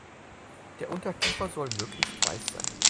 Der Unterkiefer soll möglichst weiß sein.